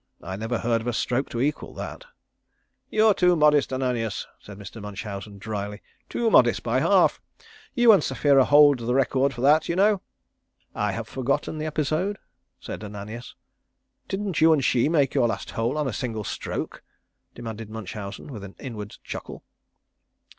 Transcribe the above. I never heard of a stroke to equal that." "You are too modest, Ananias," said Mr. Munchausen drily. "Too modest by half. You and Sapphira hold the record for that, you know." "I have forgotten the episode," said Ananias. "Didn't you and she make your last hole on a single stroke?" demanded Munchausen with an inward chuckle.